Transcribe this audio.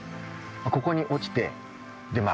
ここに落ちてでまあ